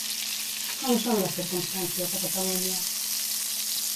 Com són les circumstàncies a Catalunya?